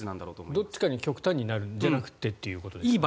どっちかに極端になるんじゃなくてということですよね。